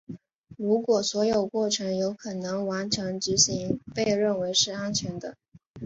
如果所有过程有可能完成执行被认为是安全的。